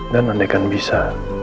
dan andaikan bisa